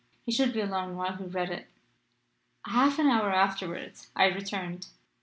He should be alone while he read it. "Half an hour afterwards I returned.